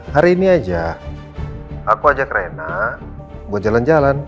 hari ini aja aku ajak rena buat jalan jalan